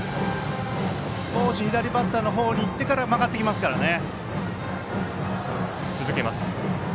少し左バッターの方にいってから曲がってきますからね。